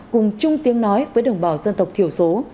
cùng chung tiếng nói với đồng bào dân tộc thiểu số